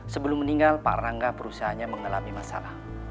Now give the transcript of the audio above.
sebelum meninggal pak rangga perusahaannya mengalami masalah